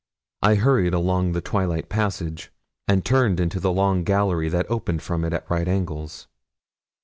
I hurried along the twilight passage, and turned into the long gallery that opened from it at right angles.